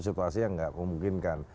situasi yang gak memungkinkan